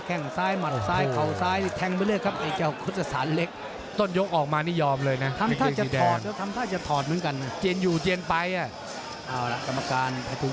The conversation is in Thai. แคลงของซ้ายมัดซ้ายข่าวซ้ายทั้งไปเรื่อยครับ